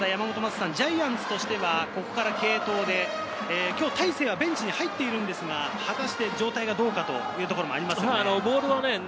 ジャイアンツとしてはここから継投で今日、大勢はベンチに入っているのですが、果たして状態はどうかということがあります。